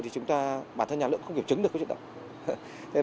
thì chúng ta bản thân nhà lượng không kiểm chứng được